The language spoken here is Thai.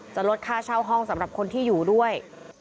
ลดค่าเช่าห้องสำหรับคนที่อยู่ด้วย